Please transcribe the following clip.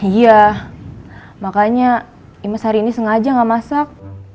iya makanya imes hari ini sengaja gak masak